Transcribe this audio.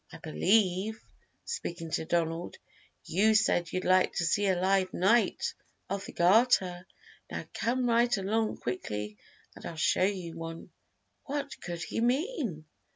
"I believe" speaking to Donald "you said you'd like to see a live Knight of the Garter; now come right along quickly and I'll show you one." What could he mean?